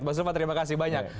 mas rufa terima kasih banyak